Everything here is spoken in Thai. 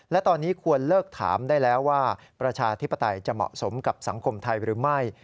และตอนนี้ควรเลิกถามได้แล้วว่าประชาธิปไตยจะเหมาะสมกับสังคมไทยหรือไม่